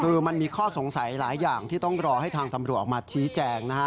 คือมันมีข้อสงสัยหลายอย่างที่ต้องรอให้ทางตำรวจออกมาชี้แจงนะฮะ